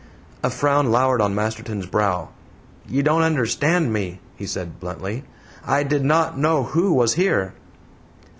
A frown lowered on Masterton's brow. "You don't understand me," he said, bluntly. "I did not know WHO was here."